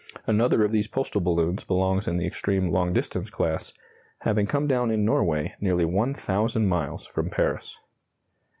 Another of these postal balloons belongs in the extreme long distance class, having come down in Norway nearly 1,000 miles from Paris.